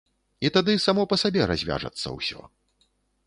І тады само па сабе развяжацца ўсё.